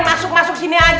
masuk masuk sini aja